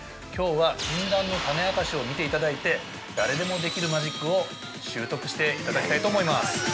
きょうは禁断の種明かしを見ていただいて、誰でもできるマジックを習得していただきたいと思います。